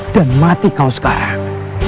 dan mati kau sekarang